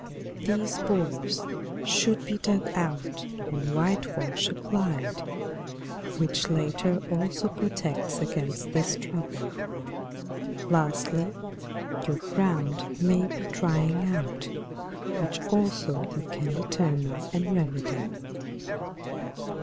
These borers should be dug out and whitewash applied, which latter also protects against this trouble. Lastly, your ground may be drying out, which also you can determine and remedy.